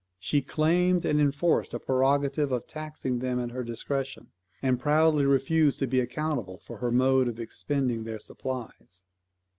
She claimed and enforced a prerogative of taxing them at her discretion; and proudly refused to be accountable for her mode of expending their supplies.